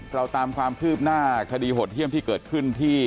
เราตามความคืบหน้าคดีหดเยี่ยมที่เกิดขึ้นที่